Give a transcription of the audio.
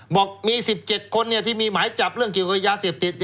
บอกมี๑๗คนที่มีหมายจับเกี่ยวกับศิษย์เสพติด